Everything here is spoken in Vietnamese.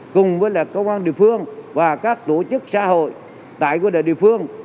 cùng với công an địa phương và các tổ chức xã hội tại địa phương